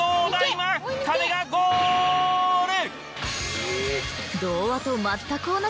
今カメがゴール！